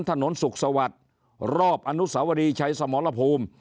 ถนนสุขสวัสดิ์รอบอนุสาวรีชัยสมรภูมิ